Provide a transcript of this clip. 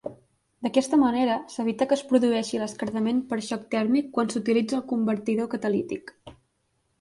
D'aquesta manera s'evita que es produeixi l'esquerdament per xoc tèrmic quan s'utilitza el convertidor catalític.